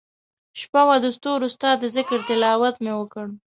شپه وه دستورو ستا دذکرتلاوت مي وکړ